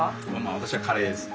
私はカレーですね。